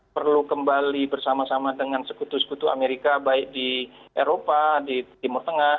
perlu kembali bersama sama dengan sekutu sekutu amerika baik di eropa di timur tengah